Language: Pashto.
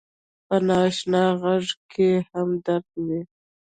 په ناآشنا غږ کې هم درد وي